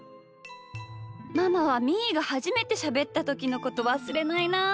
ママはみーがはじめてしゃべったときのことわすれないなあ。